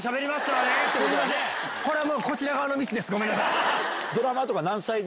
これはこちら側のミスですごめんなさい。